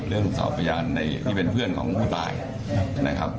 เรื่องสอบพยานที่เป็นเพื่อนของผู้ตายนะครับ